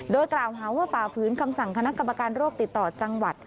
โดยกล่าวหาว่าฝ่าฝืนคำสั่งคณะกรรมการโรคติดต่อจังหวัด